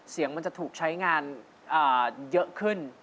เสียงมันจะถูกใช้งานเยอะขึ้น